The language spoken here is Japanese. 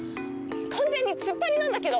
完全に突っ張りなんだけど！